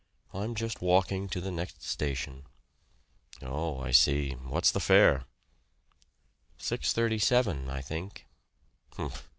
"I'm just walking to the next station." "Oh, I see! What's the fare?" "Six thirty seven, I think."